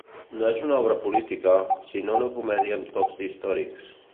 No és una obra política, sinó una comèdia amb tocs històrics.